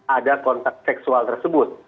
ada kontak seksual tersebut